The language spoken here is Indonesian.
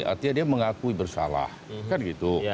artinya dia mengakui bersalah kan gitu